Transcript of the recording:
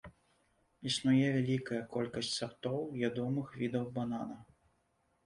Існуе вялікая колькасць сартоў ядомых відаў банана.